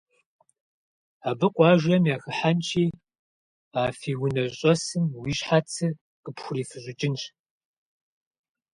Абы къуажэм яхихьэнщи а фи унэ щӏэсым уи щхьэцыр къыпхурифыщӏыкӏынщ.